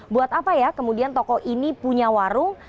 buat apa ya kemudian toko ini punya warung